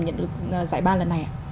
nhận được giải ba lần này ạ